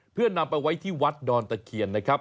เพื่อนำไปไว้ที่วัดดอนตะเคียนนะครับ